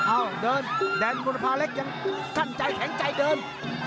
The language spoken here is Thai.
เอ้าเดินแดนบุรพาเล็กยังขั้นใจแข็งใจเดิน